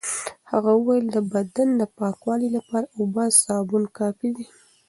هغه وویل د بدن د پاکوالي لپاره اوبه او سابون کافي دي.